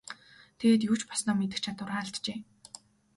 Тэгээд юу ч болсноо мэдэх чадвараа алджээ.